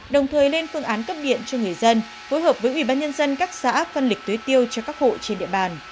đồng thời lên phương án cấp điện cho người dân phối hợp với ubnd các xã phân lịch tưới tiêu cho các hộ trên địa bàn